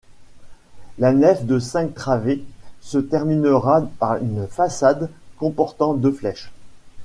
La nef de cinq travées se terminera par une façade comportant deux flèches.